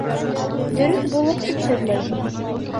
Дөрөҫ булыр тип шөрләйһең.